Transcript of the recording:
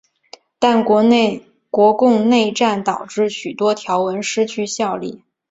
但国共内战导致许多条文失去效力。